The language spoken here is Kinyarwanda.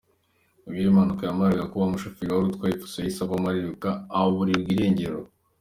Ubwo iyi mpanuka yamaraga kuba, umushoferi wari utwaye Fuso yahise avamo ariruka aburirwa irengero.